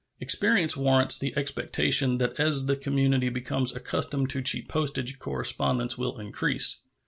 Experience warrants the expectation that as the community becomes accustomed to cheap postage correspondence will increase.